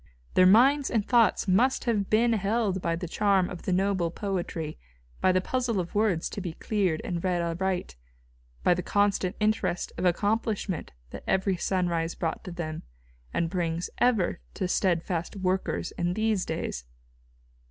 Their minds and thoughts must have been held by the charm of the noble poetry, by the puzzle of words to be cleared and read aright, by the constant interest of accomplishment that every sunrise brought to them, and brings ever to steadfast workers in these days.